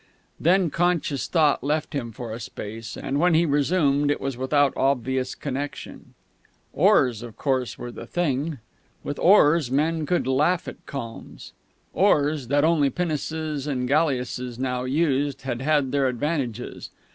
Then conscious thought left him for a space, and when he resumed it was without obvious connection. Oars, of course, were the thing. With oars, men could laugh at calms. Oars, that only pinnaces and galliasses now used, had had their advantages.